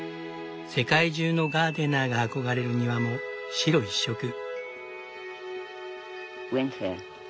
世界中のガーデナーが憧れる庭も白一色。